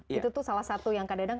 itu tuh salah satu yang kadang kadang